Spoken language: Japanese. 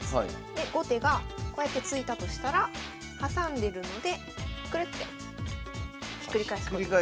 で後手がこうやって突いたとしたら挟んでるのでクルッてひっくり返すことが。